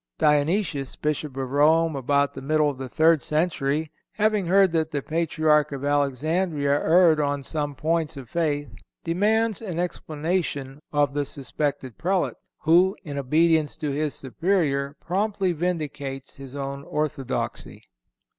Dionysius, Bishop of Rome, about the middle of the third century, having heard that the Patriarch of Alexandria erred on some points of faith, demands an explanation of the suspected Prelate, who, in obedience to his superior, promptly vindicates his own orthodoxy.